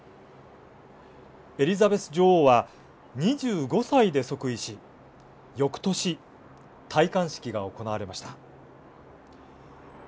エリザベス女王は２５歳で即位しよくとし、戴冠式が行われました。